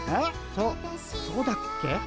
そそうだっけ？